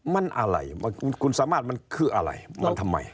มันอะไรคุณสามารถมันคืออะไรมันทำไม